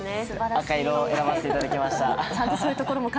赤色を選ばせていただきました。